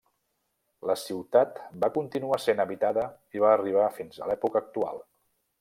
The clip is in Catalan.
La ciutat va continuar sent habitada i va arribar fins a l'època actual.